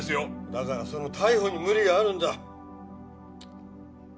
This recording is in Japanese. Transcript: だからその逮捕に無理があるんだ。